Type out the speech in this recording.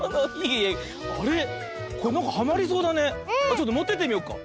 ちょっともってってみようか。